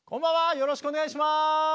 よろしくお願いします！